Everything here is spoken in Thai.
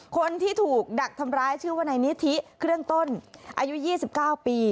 คนที่ถูกดักทำร้ายชื่อว่านายนิธิเครื่องต้นอายุ๒๙ปี